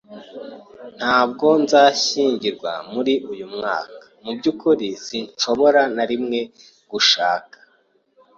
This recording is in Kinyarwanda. Ntabwo nzashyingirwa uyu mwaka. Mubyukuri, sinshobora na rimwe gushaka.